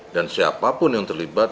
dan siapapun yang terlibat